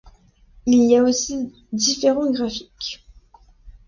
Il y a aussi différents graphiques.